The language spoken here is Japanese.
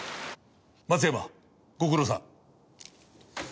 松山ご苦労さん。